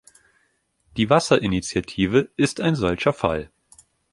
Die Wasserinitiative ist ein solcher Fall.